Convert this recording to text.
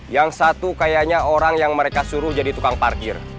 yang satu kayaknya orang yang mereka suruh jadi tukang parkir